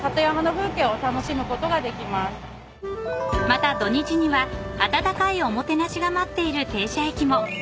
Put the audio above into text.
［また土日には温かいおもてなしが待っている停車駅も］